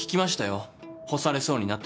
干されそうになってたって。